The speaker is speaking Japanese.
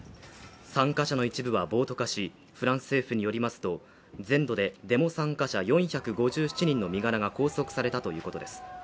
参加者の一部は暴徒化し、フランス政府によりますと、全土でデモ参加者４５１人の身柄が拘束されたということです。